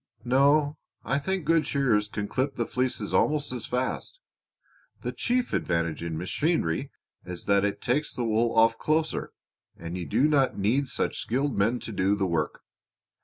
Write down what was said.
"No, I think good shearers can clip the fleeces almost as fast. The chief advantage in machinery is that it takes the wool off closer, and you do not need such skilled men to do the work.